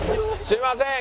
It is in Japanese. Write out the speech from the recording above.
すいません。